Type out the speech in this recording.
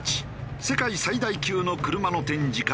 世界最大級の車の展示会